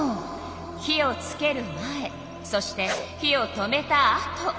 火をつける前そして火を止めたあと。